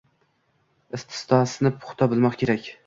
istito’asini puxta bilmoq kerak.